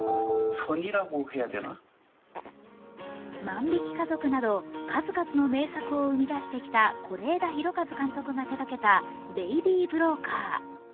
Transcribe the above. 「万引き家族」など数々の名作を生み出してきた是枝裕和監督が手がけた「ベイビー・ブローカー」。